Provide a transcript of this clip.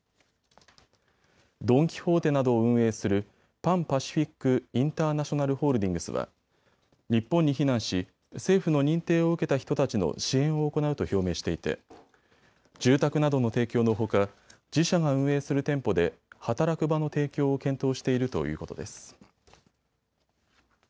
ドン・キホーテなどを運営するパン・パシフィック・インターナショナルホールディングスは日本に避難し、政府の認定を受けた人たちの支援を行うと表明していて住宅などの提供のほか自社が運営する店舗で働く場の提供を検討しているということです。